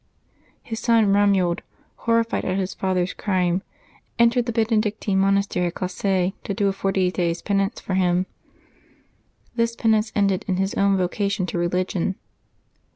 His son Eomuald, horrified at his father's crime, entered the Benedictine monastery at Classe, to do a forty days' penance for him. This penance ended in his own vocation to religion.